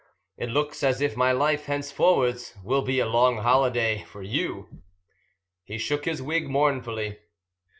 "It looks as if my life henceforwards will be a long holiday for you." He shook his wig mournfully.